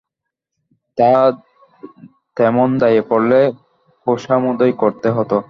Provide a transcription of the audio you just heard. তা, তেমন দায়ে পড়লে খোশামোদই করতে হত।